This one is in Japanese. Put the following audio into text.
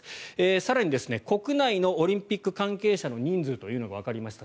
更に、国内のオリンピック関係者の人数というのがわかりました。